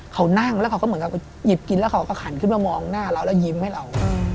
เขานั่งแล้วเขาก็เหมือนกับหยิบกินแล้วเขาก็หันขึ้นมามองหน้าเราแล้วยิ้มให้เรา